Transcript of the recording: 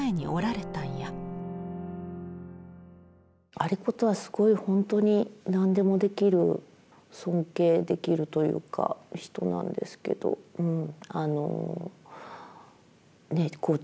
有功はすごい本当に何でもできる尊敬できるというか人なんですけどうん